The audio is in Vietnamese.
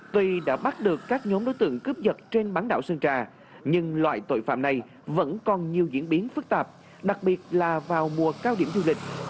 tuy đã bắt được các nhóm đối tượng cướp giật trên bán đảo sơn trà nhưng loại tội phạm này vẫn còn nhiều diễn biến phức tạp đặc biệt là vào mùa cao điểm du lịch